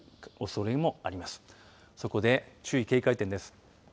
そこで注意、警戒点です。